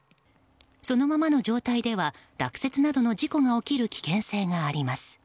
そのままの状態では落雪などの事故が起きる危険性があります。